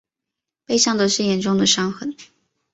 背上都是严重的伤痕